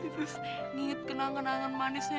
terus nginget kenangan kenangan manisnya